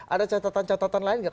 ada catatan catatan lain nggak